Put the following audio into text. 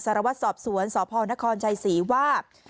สรวจสอบสวนสพนครชายศรีว่า